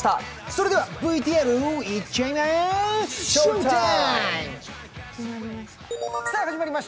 それではＶＴＲ、行っちゃいま